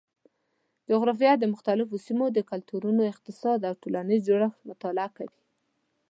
جغرافیه د مختلفو سیمو د کلتورونو، اقتصاد او ټولنیز جوړښت مطالعه کوي.